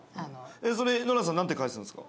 それノラさん何て返すんすか？